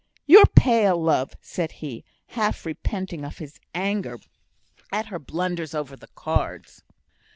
"You're pale, love!" said he, half repenting of his anger at her blunders over the cards.